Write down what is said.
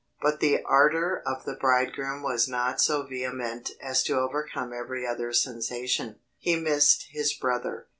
But the ardour of the bridegroom was not so vehement as to overcome every other sensation he missed his brother.